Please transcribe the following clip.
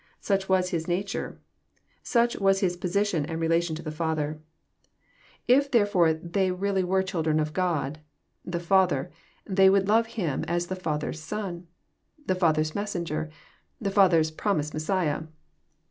Such was His nature. Such was His position and relation to the Father.— If JOHN, CHAP. vm. 117 therefore tliey really were ^fldren of God the Father, tlw»y would love Him as the Father's Sod, the Father's Messenger, the Father's promised Messiah.